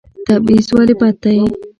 تبعیض ولې بد دی؟